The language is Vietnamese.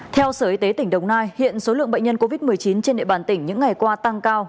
theo sở y tế tỉnh đồng nai hiện số lượng bệnh nhân covid một mươi chín trên địa bàn tỉnh những ngày qua tăng cao